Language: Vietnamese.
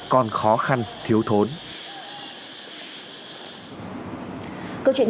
con khó khăn thiếu thốn